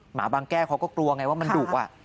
หมาบางแก้วเขาก็กลัวไงว่ามันดุ